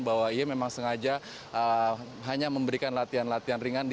bahwa ia memang sengaja hanya memberikan latihan latihan ringan